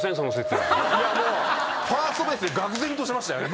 ファーストベースでがく然としましたよね。